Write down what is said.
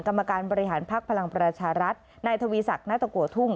กรรมการบริหารภักดิ์พลังประชารัฐนายทวีศักดิณตะโกทุ่ง